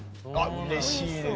うれしいです。